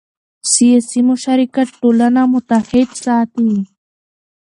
سیاسي مشارکت ټولنه متحد ساتي